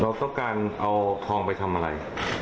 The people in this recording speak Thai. เราต้องการเอาทองไปทำอะไร